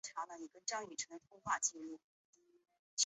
成山头灯塔为威海海域最早的灯塔。